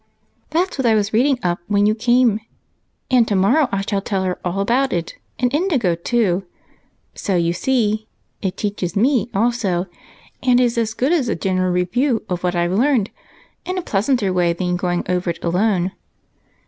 That's what I was reading up when you came, and to morrow I shall tell her all about it, and indigo too. So you see it teaches me also, and is as good as a general review of what I 've learned, in a pleasanter way than going over it alone."